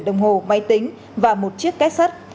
đồng hồ máy tính và một chiếc két sắt